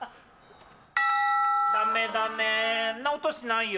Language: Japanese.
ダメだねんな音しないよ。